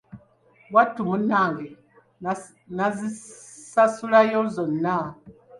Wattu munnange n'azisasulayo zonna.